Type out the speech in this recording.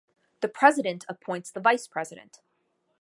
The president appoints the Vice President.